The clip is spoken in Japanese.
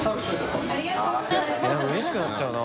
うれしくなっちゃうな。